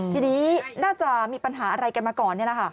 ทีนี้น่าจะมีปัญหาอะไรกันมาก่อนนี่แหละค่ะ